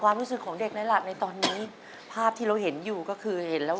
คณะกรรมการเชิญเลยครับพี่อยากให้ก่อนก็ได้จ้ะนู้นไปก่อนใครแล้วก่อนเพื่อนเลย